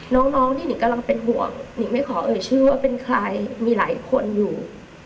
น้องนี่หิงกำลังเป็นห่วงหนิงไม่ขอเอ่ยชื่อว่าเป็นใครมีหลายคนอยู่